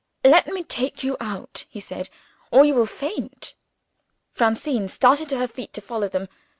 "Let me take you out," he said, "or you will faint." Francine started to her feet to follow them.